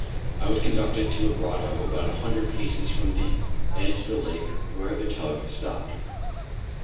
I was conducted to a grotto about a hundred paces from the edge of the lake where the tug stopped.